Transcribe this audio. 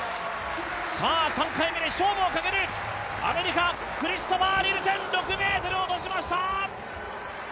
３回目に勝負をかける、アメリカのクリストファー・ニルセン、６ｍ、落としました！